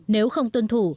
nếu không tuân thủ